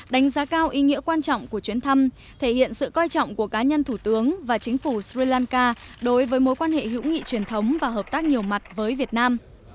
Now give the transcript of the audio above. đánh giá cao ý nghĩa quan trọng của chuyến thăm thể hiện sự coi trọng của cá nhân thủ tướng và chính phủ sri lanka đối với mối quan hệ hữu nghị truyền thống và hợp tác nhiều mặt với việt nam